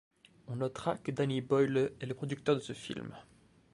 On notera que Danny Boyle est le producteur de ce film.